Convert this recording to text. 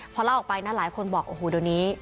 พอเล่าออกไปนะหลายคนบอกโอ้โหเดี๋ยวนี้